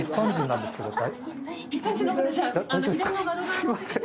すいません。